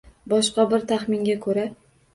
Boshqa bir taxminga koʻra